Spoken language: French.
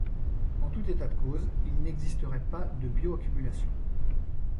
En tout état de cause, il n'existerait pas de bioaccumulation.